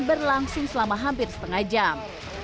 berlangsung selama hampir setengah jam